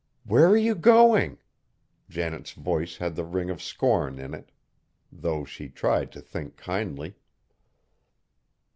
"Where are you going?" Janet's voice had the ring of scorn in it, though she tried to think kindly.